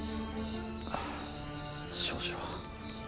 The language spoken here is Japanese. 少々。